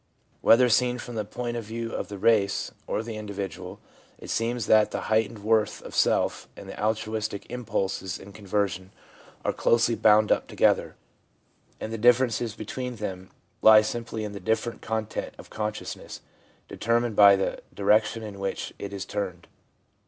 Whether seen from the point of view of the race or the individual, it seems that the heightened worth of self and the altruistic impulses in conversion are closely bound up together > and the differences i 3 o THE PSYCHOLOGY OF RELIGION between them lie simply in the different content of con sciousness, determined by the direction in which it is turned.